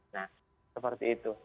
nah seperti itu